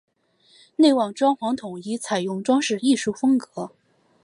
内外装潢统一采用装饰艺术风格。